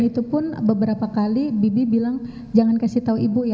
dan itu pun beberapa kali bibi bilang jangan kasih tahu ibu ya